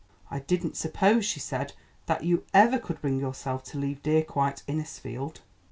"I didn't suppose," she said, "that you ever could bring yourself to leave dear, quiet Innisfield."